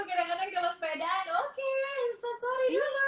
kadang kadang kalau sepeda oke instastory dulu